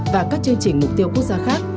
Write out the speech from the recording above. và các chương trình mục tiêu quốc gia khác